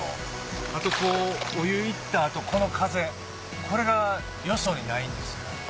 あとこうお湯行った後この風これがよそにないんですよ。